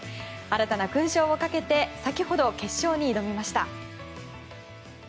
新たな勲章をかけて先ほど、決勝に挑みました。